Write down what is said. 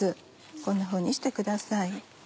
こんなふうにしてください。